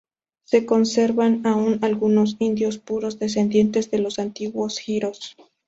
Se conservan aun algunos indios puros descendientes de los antiguos giros.